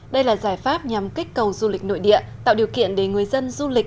đây là giải pháp nhằm kích cầu du lịch nội địa tạo điều kiện để người dân du lịch